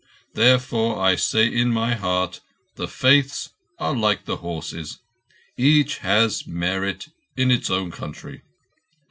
Therefore I say in my heart the Faiths are like the horses. Each has merit in its own country."